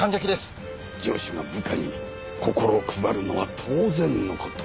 上司が部下に心を配るのは当然の事。